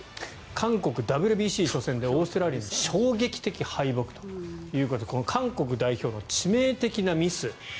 韓国、ＷＢＣ初戦でオーストラリアに衝撃的敗北ということでこの韓国代表の致命的なミス。